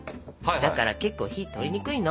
だからけっこう火通りにくいの。